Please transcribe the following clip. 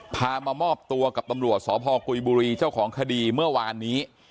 พามามอบตัวกับตำรวจสพกุยบุรีเจ้าของคดีเมื่อวานนี้